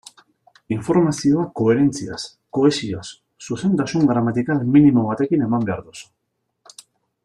Informazioa koherentziaz, kohesioz, zuzentasun gramatikal minimo batekin eman behar duzu.